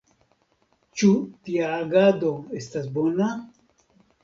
Ĉu tia agado estas bona?